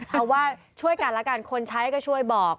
เพราะว่าช่วยกันแล้วกันคนใช้ก็ช่วยบอก